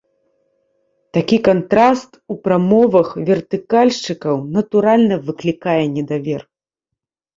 Такі кантраст у прамовах вертыкальшчыкаў, натуральна, выклікае недавер.